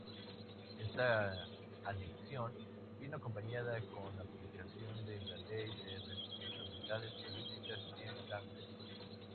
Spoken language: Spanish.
Esta anexión vino acompañada con aplicación de la Ley de Responsabilidades Políticas en Tánger.